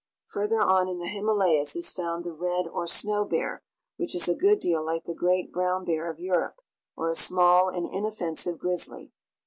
Further on in the Himalayas is found the red or snow bear, which is a good deal like the great brown bear of Europe, or a small and inoffensive grizzly.